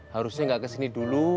harusnya gak kesini dulu